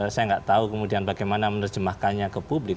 saya nggak tahu kemudian bagaimana menerjemahkannya ke publik